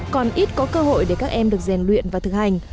còn ít có cơ hội để các em được rèn luyện và thực hành